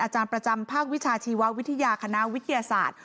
อาจารย์ประจำภาควิชาชีววิทยาคณะวิทยาศาสตร์